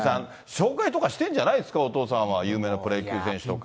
紹介とかしてるんじゃないですか、お父さんは有名なプロ野球選手とか。